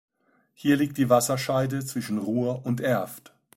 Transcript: Hier liegt die Wasserscheide zwischen Rur und Erft.